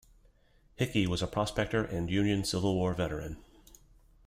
Hickey was a prospector and Union Civil War veteran.